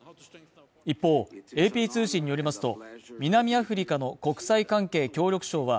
一方、ＡＰ通信によりますと、南アフリカの国際関係・協力相は